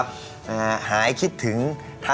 ไซเตอร์